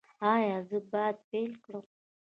ایا زه باید پیل کړم؟